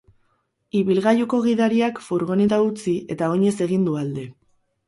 Ibilgailuko gidariak furgoneta utzi eta oinez egin du alde.